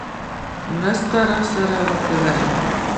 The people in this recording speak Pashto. مرسته راسره وکړي.